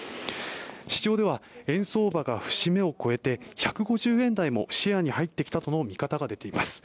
市場では円相場が節目を超えて１５０円台も視野に入ってきたとの見方が出てきています。